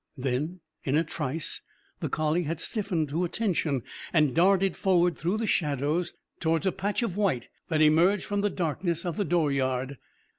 Then, in a trice the collie had stiffened to attention and darted forward through the shadows towards a patch of white that emerged from the darkness of the dooryard.